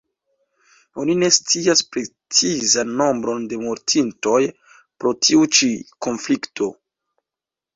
Oni ne scias precizan nombron de mortintoj pro tiu ĉi konflikto.